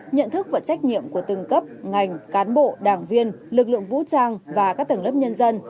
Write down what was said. nhận thức và trách nhiệm của từng cấp ngành cán bộ đảng viên lực lượng vũ trang và các tầng lớp nhân dân